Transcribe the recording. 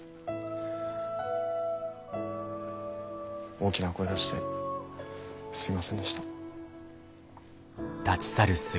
大きな声出してすみませんでした。